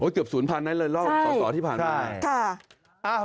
เกือบศูนย์พันธุ์นั้นเลยรอบส่อที่พันธุ์นั้น